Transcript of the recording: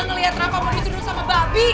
ngelihat rafa mau disuduh sama babi